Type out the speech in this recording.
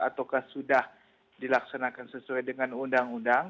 ataukah sudah dilaksanakan sesuai dengan undang undang